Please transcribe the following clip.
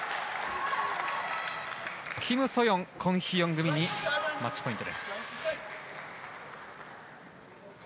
キム・ソヨン、コン・ヒヨン組にマッチポイント。